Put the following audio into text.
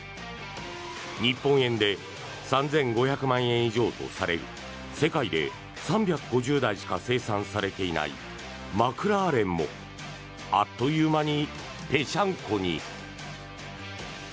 日本円で３５００万円以上とされる世界で３５０台しか生産されていないマクラーレンもあっという間にペシャンコに。